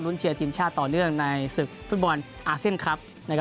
เชียร์ทีมชาติต่อเนื่องในศึกฟุตบอลอาเซียนคลับ